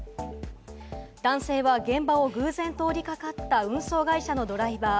男性は現場を偶然通りかかった運送会社のドライバー。